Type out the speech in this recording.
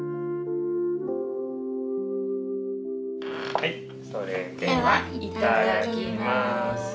はいそれでは頂きます。